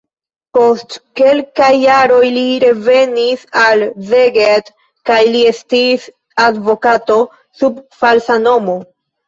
Post kelkaj jaroj li revenis al Szeged kaj li estis advokato sub falsa nomo.